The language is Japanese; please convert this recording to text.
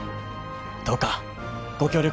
どうかご協力